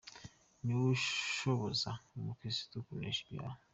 Ni wo ushoboza umukristu kunesha ibyaha.